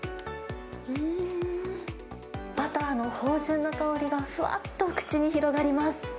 バターの芳じゅんな香りが、ふわっと口に広がります。